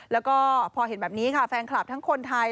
แล้วก็พอเห็นแบบนี้ค่ะแฟนคลับทั้งคนไทย